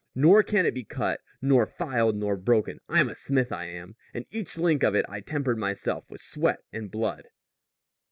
Nor can it be cut, nor filed, nor broken. I'm a smith, I am. And each link of it I tempered myself with sweat and blood."